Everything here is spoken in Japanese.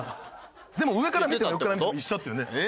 でも上から見ても横から見ても一緒っていうね。